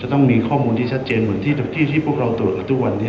ต้องมีข้อมูลที่ชัดเจนเหมือนที่พวกเราตรวจกันทุกวันนี้